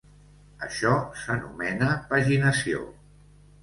Això s'anomena paginació.